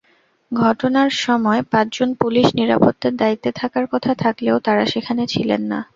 ঘটনার সময় পাঁচজন পুলিশ নিরাপত্তার দায়িত্বে থাকার কথা থাকলেও তাঁরা সেখানে ছিলেন না।